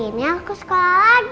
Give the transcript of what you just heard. hari ini aku sekolah lagi